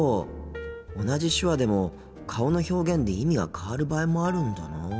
同じ手話でも顔の表現で意味が変わる場合もあるんだなあ。